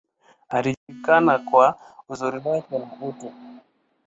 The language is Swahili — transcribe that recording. Alijulikana kwa uzuri wake, na utu.